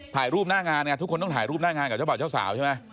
ถ่ายรูปหน้างานไงทุกคนต้องถ่ายรูปหน้างานกับเจ้าบ่าวเจ้าสาวใช่ไหม